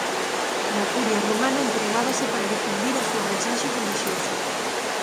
Na curia romana empregábase para difundir a súa mensaxe relixiosa.